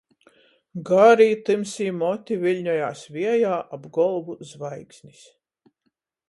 Garī, tymsī moti viļņojās viejā, ap golvu zvaigznis.